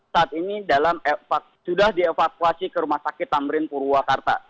saat ini sudah dievakuasi ke rumah sakit tamrin purwakarta